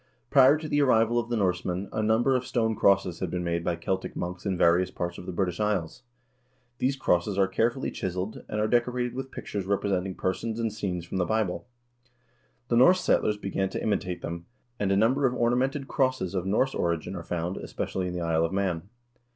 Prior to the arrival of the Norsemen a number of stone crosses had been made by Celtic monks in various parts of the British Isles. These crosses are carefully chiseled, and are decorated with pictures representing persons and scenes from the Bible. The Norse settlers began to imitate them, and a number of ornamented crosses of Norse origin are found, especially in the Isle of Man.